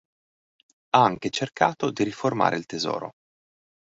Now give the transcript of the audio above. Ha anche cercato di riformare il tesoro.